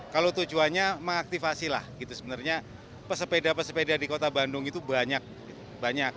kalau tujuannya mengaktifasilah sebenarnya bersepeda bersepeda di kota bandung itu banyak